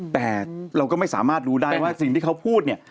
แต่เราก็ไม่สามารถรู้ได้ว่าสิ่งที่เขาพูดเนี่ย